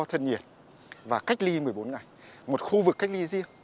thân nhiệt và cách ly một mươi bốn ngày một khu vực cách ly riêng